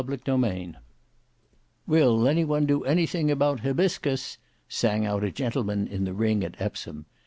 Book 1 Chapter 2 "Will any one do anything about Hybiscus?" sang out a gentleman in the ring at Epsom.